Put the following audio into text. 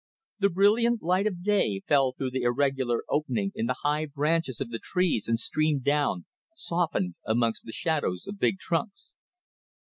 The brilliant light of day fell through the irregular opening in the high branches of the trees and streamed down, softened, amongst the shadows of big trunks.